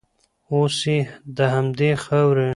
اوس یې د همدې خاورې